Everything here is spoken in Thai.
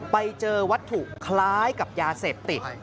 ไปเจอวัตถุคล้ายกับยาเสพติด